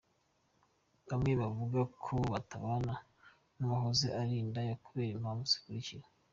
Bamwe bavuga ko batabana n’uwahoze ari indaya kubera impamvu zikurikira :.